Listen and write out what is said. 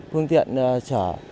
phương tiện trở